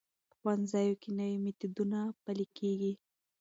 په ښوونځیو کې نوي میتودونه پلي کېږي.